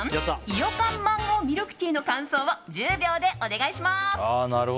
いよかんマンゴーミルクティーの感想を１０秒でお願いします。